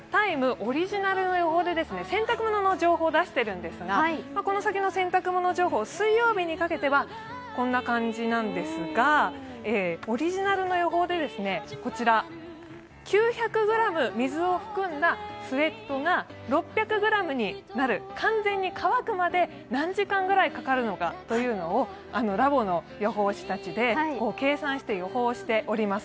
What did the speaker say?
オリジナルの予報で洗濯物の情報を出しているのですが、この先の洗濯物情報水曜日にかけてはこんな感じなんですが、オリジナルの予報で、９００ｇ水を含んだスエットが６００ｇになる、完全に乾くまで何時間ぐらいかかるのかというのをラボの予報士たちで計算して予報しております。